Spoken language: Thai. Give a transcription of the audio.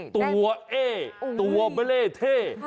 ตัวเอ่ตัวเมล่เท่